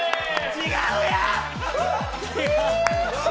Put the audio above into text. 違うやん！